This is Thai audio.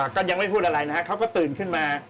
ก็ยังไม่พูดอะไรนะครับเขาก็ตื่นขึ้นมา